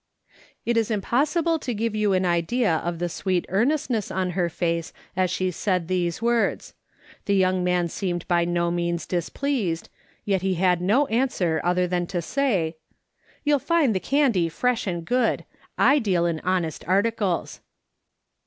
It is impossible to give you an idea of the sweet earnestness on her face as she said these words. The young man seemed by no means displeased, yet he had no answer other than to say :" You'll find the candy fresh and good. I deal in honest articles.